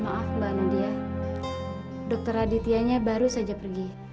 maaf mbak nadia dokter adityanya baru saja pergi